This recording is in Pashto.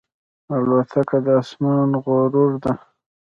الوتکه د آسمان غرور ده.